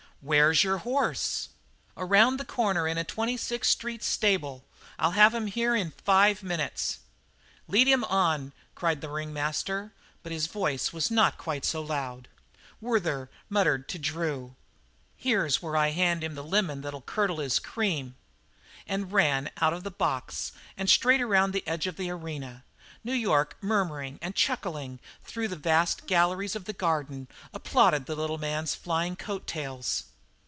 "Where's your horse?" "Around the corner in a Twenty sixth Street stable. I'll have him here in five minutes." "Lead him on," cried the ringmaster, but his voice was not quite so loud. Werther muttered to Drew: "Here's where I hand him the lemon that'll curdle his cream," and ran out of the box and straight around the edge of the arena. New York, murmuring and chuckling through the vast galleries of the Garden, applauded the little man's flying coat tails.